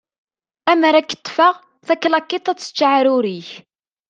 Amer ad k-ṭṭfeɣ, taklakiḍt ad d-tečč aεrur-ik!